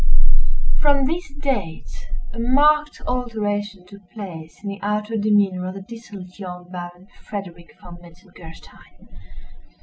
From this date a marked alteration took place in the outward demeanor of the dissolute young Baron Frederick Von Metzengerstein.